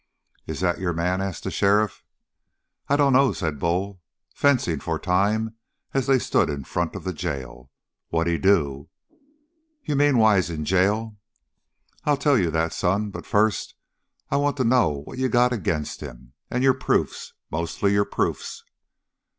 "Is that your man?" asked the sheriff. "I dunno," said Bull, fencing for time as they stood in front of the jail. "What'd he do?" "You mean why he's in jail? I'll tell you that, son, but first I want to know what you got agin' him and your proofs mostly your proofs!"